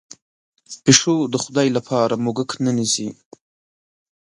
پشو د خدای لپاره موږک نه نیسي.